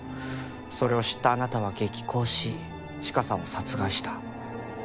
それを知ったあなたは激高しチカさんを殺害した。